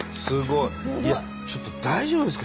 いやちょっと大丈夫ですか？